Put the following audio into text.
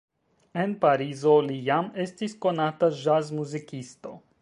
En Parizo li jam estis konata ĵazmuzikisto.